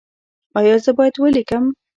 ایا زه باید ولیکم؟